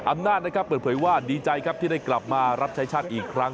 อำนาจนะครับเปิดเผยว่าดีใจครับที่ได้กลับมารับใช้ชาติอีกครั้ง